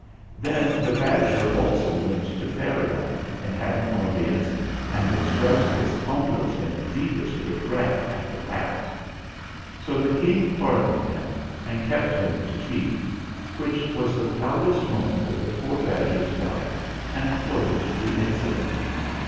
THE FIGHT 315 Then the badger also went to Fairyland and had an audience and expressed his humblest and deepest regret at the past. So the King pardoned him, and kept him to tea; which was the proudest moment of the poor badger's life and closed the incident.